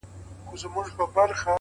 هوښیار انسان د خبرو وخت پېژني!